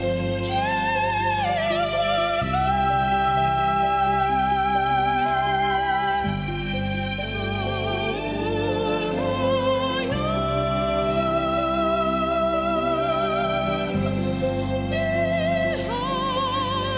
menjaga penduduk tersebut